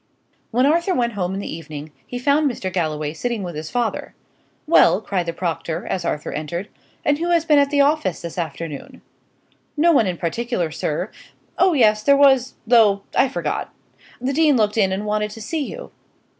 When Arthur went home in the evening, he found Mr. Galloway sitting with his father. "Well," cried the proctor, as Arthur entered, "and who has been at the office this afternoon?" "No one in particular, sir. Oh yes, there was, though I forgot. The dean looked in, and wanted to see you."